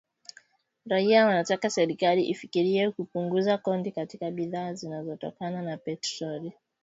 Raia wanataka serikali ifikirie kupunguza kodi katika bidhaa zinazotokana na petroli na kudhibiti bei za rejareja.